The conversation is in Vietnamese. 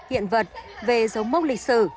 hiện vật về dấu mốc lịch sử